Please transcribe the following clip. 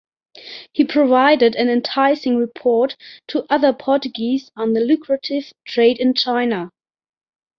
He provided an enticing report to other Portuguese on the lucrative trade in China.